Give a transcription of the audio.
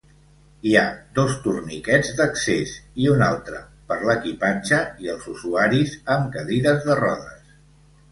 Hi ha dos torniquets d'accés, i un altre per l'equipatge i els usuaris amb cadires de rodes.